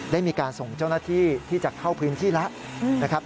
ได้มีการส่งเจ้าหน้าที่ที่จะเข้าพื้นที่แล้วนะครับ